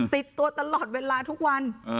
ติดตัวตลอดเวลาทุกวัน